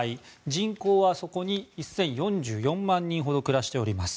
人口はそこに１０４４万人ほど暮らしています。